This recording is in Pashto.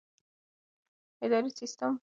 اداري سیستم د شفافو پریکړو غوښتنه کوي.